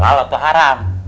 halal atau haram